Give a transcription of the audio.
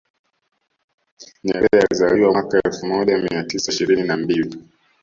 nyerere alizaliwa mwaka elfu moja mia tisa ishirini na mbili